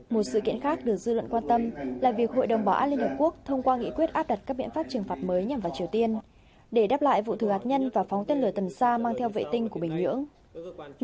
một sự kiện khác được dư luận quan tâm là việc hội đồng bảo an liên hợp quốc thông qua nghị quyết áp đặt các biện pháp trừng phạt mới nhằm vào triều tiên để đáp lại vụ thử hạt nhân và phóng tên lửa tầm xa mang theo vệ tinh của bình nhưỡng